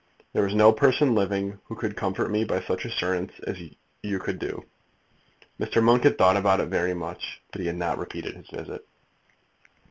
There is no person living who could comfort me by such assurance as you could do." Mr. Monk had thought about it very much, but he had not repeated his visit.